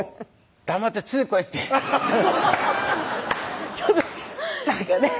「黙ってついてこい！」ってちょっとなんかね